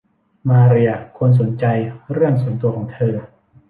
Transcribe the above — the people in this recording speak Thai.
มาเรียควรสนใจเรื่องส่วนตัวของเธอ